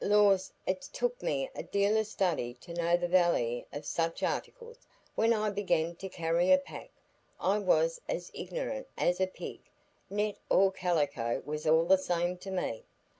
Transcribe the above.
Lors, it's took me a deal o' study to know the vally o' such articles; when I begun to carry a pack, I was as ignirant as a pig; net or calico was all the same to me.